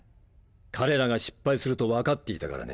彼らが失敗すると分かっていたからね。